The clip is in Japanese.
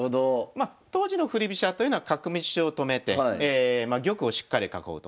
ま当時の振り飛車というのは角道を止めて玉をしっかり囲うと。